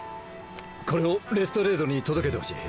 これをレストレードに届けてほしい。